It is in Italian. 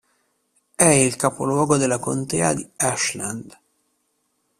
È il capoluogo della Contea di Ashland.